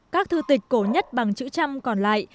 các thư tịch cổ nhất bằng chữ trăm còn lại